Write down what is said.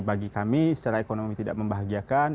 bagi kami secara ekonomi tidak membahagiakan